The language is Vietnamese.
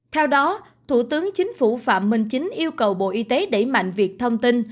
theo đó thủ tướng chính phủ phạm minh chính yêu cầu bộ y tế đẩy mạnh việc thông tin